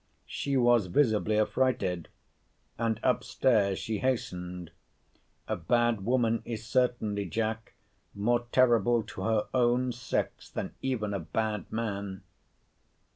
— She was visibly affrighted: and up stairs she hastened. A bad woman is certainly, Jack, more terrible to her own sex than even a bad man.